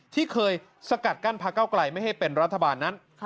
ที่เคยสกัดกั้นพระเก้าไกลไม่ให้เป็นรัฐบาลนั้น